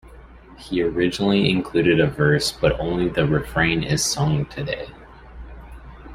He originally included a verse, but only the refrain is sung today.